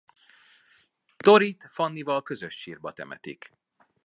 Troyt Fannyval közös sírba temetik.